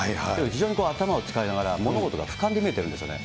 非常に頭を使いながら、物事がふかんで見えているんですよね。